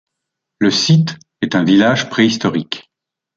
Le site est un village préhistorique.